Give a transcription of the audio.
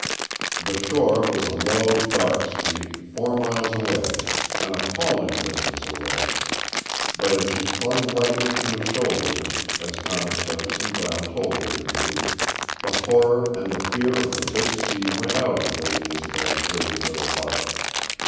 IV The shore was a low, dark streak, four miles away an appalling distance away; but as she clung lightly to his shoulders, as Thomas Jefferson Brown told her to do, the horror and the fear of the big sea went out of Lady Isobel's brave little heart.